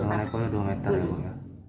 dengan ekonya dua meter ya bu ya